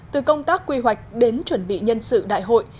từ công tác quy hoạch đến chuẩn bị nhân sự đại hội